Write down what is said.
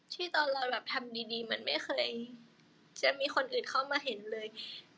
ตอนเราแบบทำดีมันไม่เคยจะมีคนอื่นเข้ามาเห็นเลย